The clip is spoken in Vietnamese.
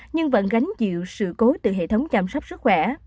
nhưng vẫn gánh chịu sự cố từ hệ thống chăm sóc sức khỏe